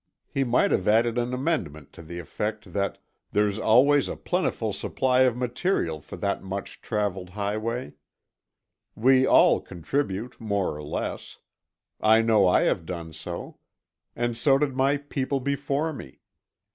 He might have added an amendment to the effect that there's always a plentiful supply of material for that much travelled highway. We all contribute, more or less. I know I have done so. And so did my people before me.